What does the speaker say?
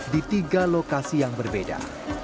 di tiga lokasi yang berbeda